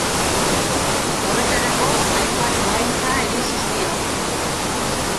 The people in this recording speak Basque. Horretarako hainbat dohaintza egin zizkion.